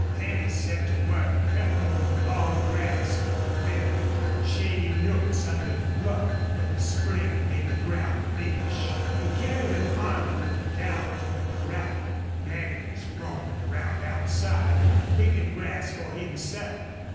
Then he set to work cutting the long grass from the wet and shady nooks under the bluff where the spring made the ground rich. He carried an armful down to the corral. Nagger was roaming around outside, picking grass for himself.